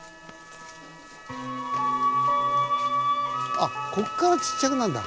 あっこっからちっちゃくなんだ。